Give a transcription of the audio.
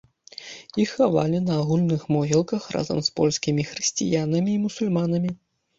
Іх хавалі на агульных могілках разам з польскімі хрысціянамі і мусульманамі.